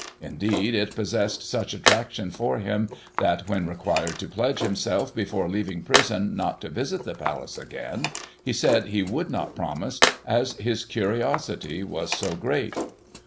Indeed, it possessed such attractions for him, that, when required' to pledge himself, before leaving prison, not to visit the Palace again, he said he would not promise, as his curiosity was so great.